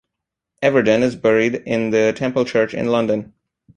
Everdon is buried in the Temple Church in London.